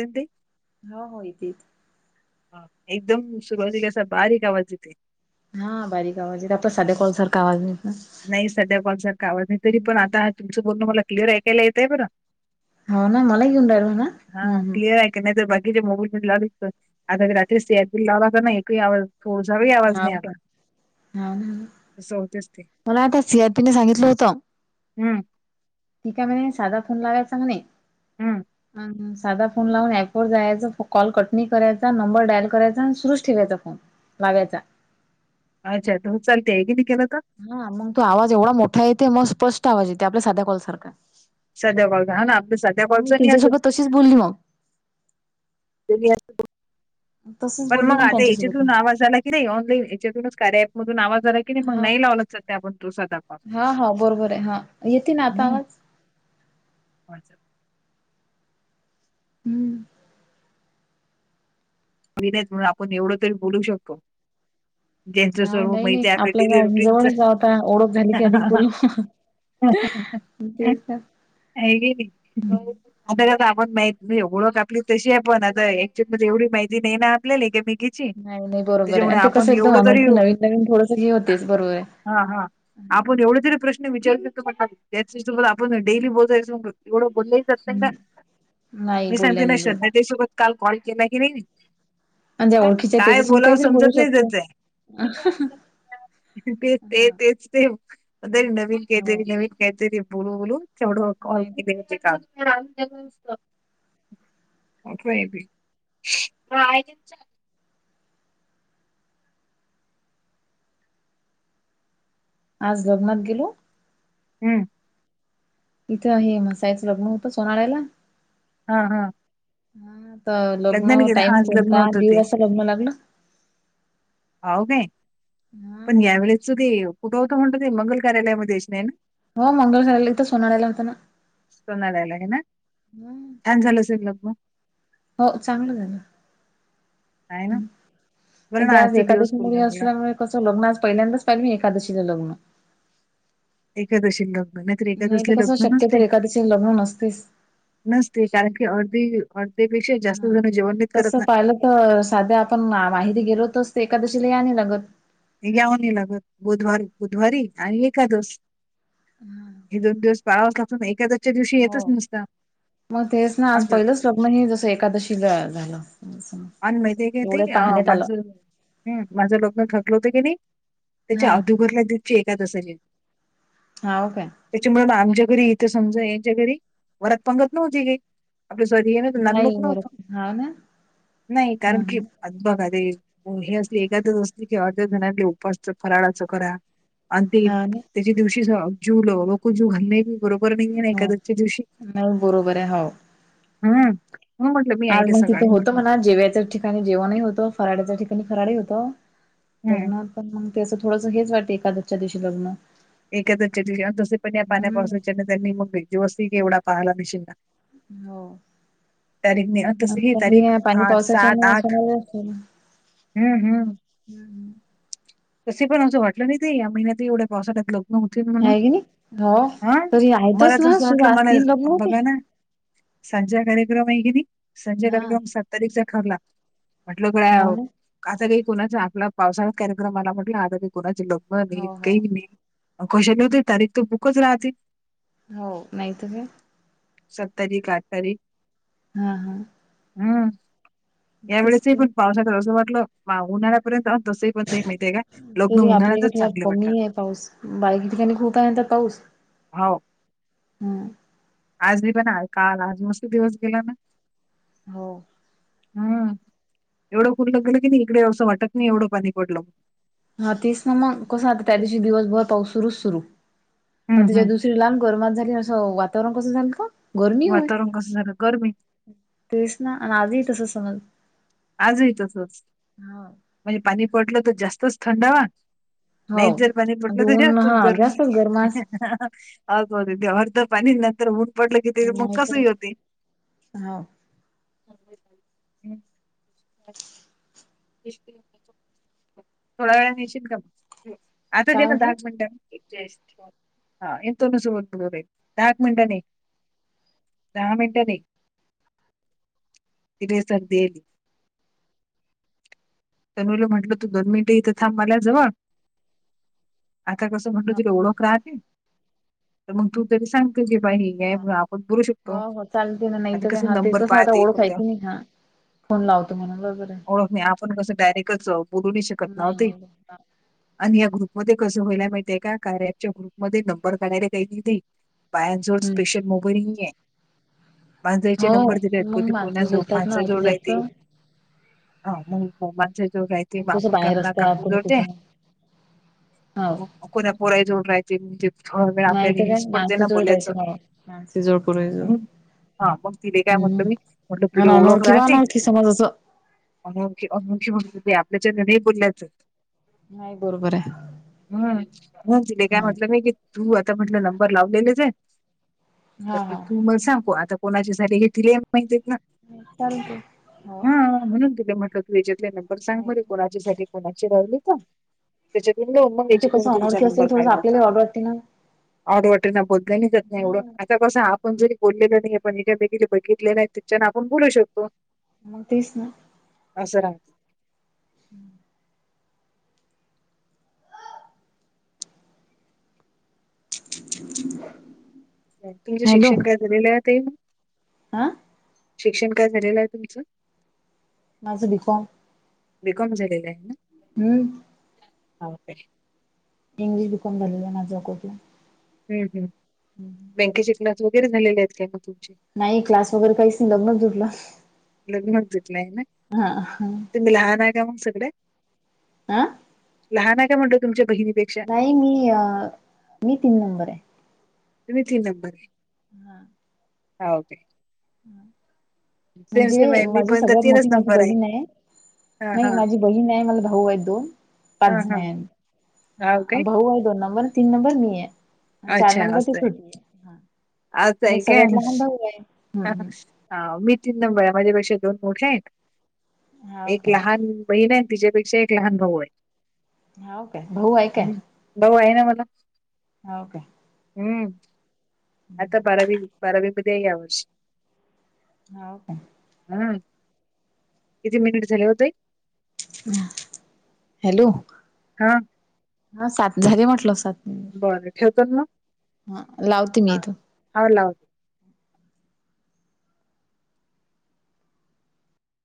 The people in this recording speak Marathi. एी हो हो य तेेच ह एकदम सुरुवाती कसा बारीक आवाज येते हा बारीक आवाज, येते आपल्या साध्या हं. कॉल सारखा आवाज नाही येत ना नाही साध्या कॉल सारखं आवज नाही तरी पण हम्म. आता तुमचं बोलणं मला क्लिअर ऐकायला येतं आहे बरं हो ना मलाग उंार आहे ना हा हम् हम क्लिअर ऐकाय नाही तर बाकीच्या मोबाईल लाव आता रात्री स लावता ना एक थोडझवे आवाज नाही हाव आला का? हा ना तस होतेच ते मला आता सी आर पी ने सांगितलं होतं हम्म ठीक, य म्हणे साधा फोन लावायचा म्हणे हम् साधा फोन लावून ऍप वर जायच कॉल कटनी करायचा नंबर डायल करायचा आणि सुरुच ठेवायचा फोन लागायचा अच्छा तर चालते आहे की त केला तर हा मग तो आवाज एवढा मोठा येते मग स्पष्ट आवाज येते आपल्या साध्या कॉलसारखा साध्या कॉलचा हा ना आपल्या साध्या कालचा नाहीह त्यांच्यासोबत तशीच बोलली मग तसच पण बोलली मग आता त्यांच्यासोबत मी. या्याच्यातून आवाज झाला नाही ऑनलाईन याच्यातूनच कार्या एपमधून आवाजलाय कि नाही मग हा नाही लावलंच ते आपण तू, साधा कॉल हा हा बरोबर आहे हा येते ना आता हम् आवाज? अच्छा हम्म म्हणून आपण एवढं तरी बोलू शकतो त्यांच हा सर्व नाही नाही महिती आपल्या आपलं डेली काय जवळच गाव आता ओळख झाली की अधिक रुटीनच बोलू. ह तेच ना. ह ग हो आता आता आपण माहित नाही ओळख आपली तशी आपण आता क्च्युल मध्ये एवढी माहिती माहिती नाही ना आपल्या एकेमेकीची नाही नाही बरोबर आहे आणि ते कसं एकदम तरी अनोटखी नवीन नवीन थोडंसं हे होतेस बरोबर आहे हा हा आपण हम्म एवढे तरी प्रश्न विचारू शो म्ह त्या आपण डेली बोजायचो एवढं बोलले नाही मी सांगते ना बोलल्याने जात श्रद्धा त्या सोबत काल कॉल केला की नाही आणि ज्या ओळखीच्या काय त्याच्यासून बोलावं काहीतरी बोलू समजत नाही शकतो. त्याचय हा. तेच ते तेच ते अदरी नवीन हो काहीतरी नवीन काहीतरी बोलू बोलू तेवढ कॉल नाही तर केली हो का म आज लग्नात गेलो हम् इथं आहे मसायचं लग्न होतं सोनळ्याला हा हा हा तर लग्न लग्नाने गेले हा टाईम आज लग्न कोणता होतं दीड ते वाज लग्न लागलं होव काय हा पण यावेळेस त ते कुठं होतं म्हणत ते मंगल कार्यालयामध्ये नाही ना हो मंगल कराला इथं सोनाायला होता ना ्याला आहे ना हम्म झालं असेल लग मग हो चांगलं झालं आहे ना ह् बरं पण ना ते आज आजचा दिवस फुल एकादशीामध्ये लागला असल्यामुळे ं लग्न आज पहिल्यांदच पाहि मी एकादशी लग्न एखकादशी लग्न नाहीत नाही तर एखकादसले कसं लग्न शक्यतो नसते एकादशीला लग्न नसतेच. नसते कारण की अर्धी अर्धेपेक्षा जास्त हा. जण जेवण नाहीत करत तसं नाही पाहिलं तर साध्या आपण माहिती गेलोतच ते एखकादशीला याने लगत हे याऊन लागत बुधवारी बुधवारी आणि एकादवस हे दोन दिवस पाव ख आपण एक हो मग तेच ना आज आमचं पहिलंच स्वग्नही जस एकादशी झालं आणि माहितीे की ते एवढे अ पाहण्यात आलं माझं माझं लग्न खकल होत की नाही हा त्याच्या अधोघरला दपची एकाद अस ज हा ओ काे त्याच्यामुळं आमच्या घरी इथं समजा यांच्या घरी वरात पांगत नव्हती काही आपलं सॉरी हे नव्हतं नाही नांदमुक बर नव्हतं. हा ना नाही ह कारण की अ बघ अरे हे असले एखादच असते की अर्ध्या जणांले उपसा फराळाचं करा आणि ते हाव ना त्याच्या दिवशी जूकू जू घालणे बरोबर नाहीे ना हो. एखादच्या दिवशी नाही बरोबर आहे हो. हम आज मग तिथं होतं म्हणा जेवायच ठिक काही जेवणही होत फराड्याच्या ठिकाणी फराड होत हं. भजनात पण मग तेचं थोडंस हेच वाटते एकादच्या दिवशी लग्न एखाद चटली जससे पण या हम्म पाण्यापासून त्यांनी मग भेजवस्ती एवढा पाहाला मिशिनना हो तारीख त स ही आता मी तारीख पाणी आठ सात पावसाच्याने आठ हम्म हम्म हम्म हम तसे पण असं वाटलं नाही ते महिन्यात एढ पावसाात लक नव्हती म्हणून आहे की नाही हो हा तरी मला आहेतच ना तसं सुरू म्हटलं आज मला तीन लग्न होते. बघा ना सजा कार्यक्रम आहे की नाही संज्या हा कार्यक्रम सात तारीखचा खरला म्हटलं का हाव ना. आता काही कोणाचा आपला पावसाळा कार्यक्रम आला म्हटलं आता काही कोणाचे लोक ब नाही हो हो काही नाही कशा नवते तारीख त बुकच राहते हो नाही त काय सत् तारीख आठ तारीख हं ह. हम्म. या वेळेसही की पण पावसाच जसं वाटलं, उन्हाळ्यापर्यंत तस ण माहितीय काय लग्न तरी आपल्या उन्हाळ्यातच इकडे थोडा चांगले वाटतात. कमी आहे पाऊस बाईकीच्या ठिकाणी खूप आहें म्हणत्यात पाऊस. हाव. हा. आज मी पण आहे काल आज मस् दिवस गेला ना हो हम् एवढं फुललं गेल की नाही इकडे एवसं वाटत नाही एवढं पाणी पडलं हा तेच ना मग कस आता त्या दिवशी दिवसभर पाऊस सुरुच सुरु मग हम्म त्याच्या हम्म दिवशी श्रीलाम गरमात झाली असं वातावरण कसं झालं का गरमी होय. वातावरण कसं झालं गरमी तेच ना आणि आजही तसं समज आजही तसच, हा म्हणजे पाणी पटलं तर जास्तच थंडावा. हो नाहीत जर पाणी आणि ते पटलं ऊन जास्तच हा गर्मी. जास्तच गरमास आगोद देवार्द तर पाणी नंतर ऊन पडलं की ते आणि मग कसही होते [unintelligible] हाव. [unintelligible] थोडा वेळान यीशिन का मग? आताच ये काय ना म्हटलं दहाच मिनटं आहेत. ह येतो ना [unintelligible] रे, दहाच मिनिटांन ये. दहा मिनटं दे. तिले सर्दीय. तनुला म्हंटल, तू दोन मिनिटं इथं थांब माझ्या जवळ. आता कसं म्हटलं तुरी ओळख राहते, तर मग तू तरी सांग तुझी [unintelligible] हा. हो हो चालते ना नाही आणि तर काय, कसं हा ते नंबर कस आता पाहते ओळख आहे कोणत्या की नाही हा. फोन लावतो म्हणाून बरोबराय. ओळख नाही. आपण कसं डायरेक्टच बोलु नही शकत. नाही नव्हते. नाही [unintelligible] आणि या ग्रुपमध्ये कसं व्हायला माहितीय काय, कार्याच्या ग्रुपमध्ये नंबर [unintelligible] काय ती ते. बायांजवळ हम्म स्पेशल मोबाईल नईयाय. माणसांचे नंबर दिले हो आहेत. मग कदी कोणा माणसच जो बोलतात ना अती माणसाजवळ जास्त [unintelligible] हा मग [unintelligible] ते मग कसं आपण का बाहेर असतात काकू कोणी जोड दे. कुठून हो मग कोणा पोरा जोड राहायचे ह वेळा माहित आपल्याला काय हेच पडते माणसे ना जोड बोलायचं. राहते मला माणसे जोड पुरे जोड [unintelligible] हा मग तिले काय हम्म म्हटलं मी, म्हटलं तुले आणि ओळख अनोळखी वा राहते. अनोळखी समज असं अनोखी अनोखी म्हणते ती आपल्या ज नाही बोललायच. नाही बरोबराय. हम्म तिले काय म्हटलं मी कि, तू आता म्हटलं नंबर लावलेलेचय हा हा तू मग सांगू आता कोणाची झाले, हे तिले बी माहितीय. ह चालते हो. म्हणून तिले म्हटलं तू याच्यातले नंबर सांग मरे माहिती. कोणाच्या सा कोणाची राहिली का. ते त्याच्यातम कसं [unintelligible] तुमचा अनोळखी असते नंबर थोडंस काढलाता. आपल्याला ऑड वाटते ना. ऑड वाटेना बोल नाहीच नाही एवढं, आता कसं आपण जरी बोललेो नाही पण इेेकी बघितले नाही तिच्यानं आपण बोलू शकतो. मग तेच ना. अस राहतं. हम्म. [unintelligible] तुमचं शिक्षण काय झालेलं आहे ताई मंग? आं? शिक्षण काय झालेलं आहे तुमचं. माझं बी कॉम बी कॉम झालेलं आहे ना. हम्म हाव काय इंग्लिश बी कॉम झालेल आहे माझं कॉट ला हम्म हम्म. हम्म. बँकेचे क्लास वगैरे झालेले आहेत, काय मग तुमचे? नाही क्लास वगैरे काहीच नई, लग्न जुडलं. लग्नच जुडलंय ना. हा तुम्ही लहान आहे का मंग सगल्यात? आं? लहान आहे काय मोठे तुमच्या बहीणी पेक नाही मी अ मी तीन नंबर ये. तुमी तीन नंबर ये. हा. हाव काय सेम सेम म्हणजे आहे मी माझी पण तर सगळ्यात मोठी माझी नंबर बहीण आहे. हां, नाही हां. माझी बहीण ये मला भाऊ आहेत दोन पाच हां, जण हां. आहे आम्ही. हाव हा काय? भाऊ आहे दोन नंबर तीन नंबर मी ये. अन चार अच्छा नंबर ती असं आहे. छोटी ये. हा आणि सगळ्यात लहान भाऊ आहे. हम्म हम्म हा मी तीन नंबर ये माझ्या पेक्षा दोन मोठ्या येत हाव एक काय लहान बहीण ये आणि तिच्यापेक्षा एक लहान भाऊ आहे. हाव काय भाऊ आहे काय? भाऊ आहे ना मला. हाव काय हम्म आता बारावी बारावीमध्येय यावर्षी. हाव काय हूं किती मिनिट झाले ओ ताई ह हॅलो हा. हा सात झाले म्हटलं सात. मिनिट बरं ठेवतात म हा लावते मी हा इथून हा लावा